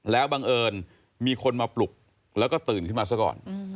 แล้วบังเอิญมีคนมาปลุกแล้วก็ตื่นขึ้นมาซะก่อน